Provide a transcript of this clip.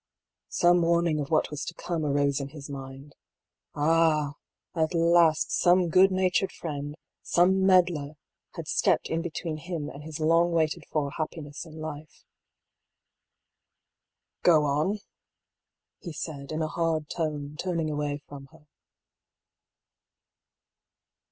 Some warning of what was to come arose in his mind. Ah ! at last some goodnatured friend — some meddler — had stepped in between him and his long waited for happiness in life. MIZPAH. 271 " Go on," he said, in a hard tone, turning away from her.